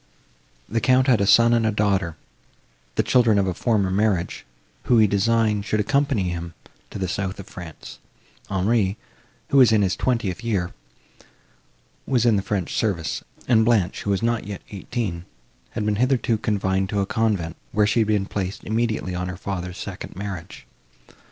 The Count had a son and a daughter, the children of a former marriage, who, he designed, should accompany him to the south of France; Henri, who was in his twentieth year, was in the French service; and Blanche, who was not yet eighteen, had been hitherto confined to the convent, where she had been placed immediately on her father's second marriage.